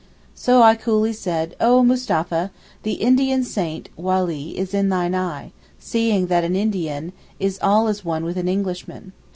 So I coolly said, 'Oh Mustapha, the Indian saint (Walee) is in thine eye, seeing that an Indian is all as one with an Englishman.